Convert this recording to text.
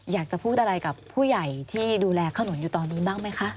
อยากจะพูดอะไรกับผู้ใหญ่ที่ดูแลขนุนอยู่ตอนนี้บ้างไหมคะ